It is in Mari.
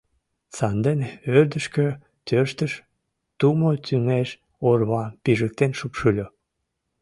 — Сандене ӧрдыжкӧ тӧрштыш, тумо тӱҥеш орвам пижыктен шупшыльо.